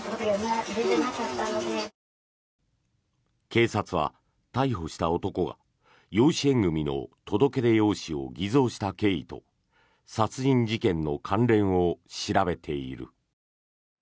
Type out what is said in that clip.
警察は逮捕した男が養子縁組の届け出用紙を偽造した経緯と殺人事件の関連を調べている。